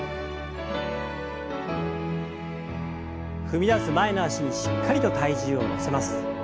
踏み出す前の脚にしっかりと体重を乗せます。